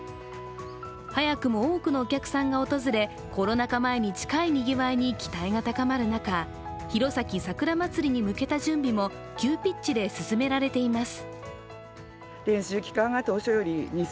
早くも多くのお客さんが訪れコロナ禍前に近いにぎわいに期待が高まる中、弘前さくらまつりに向けた準備も急ピッチで進められています。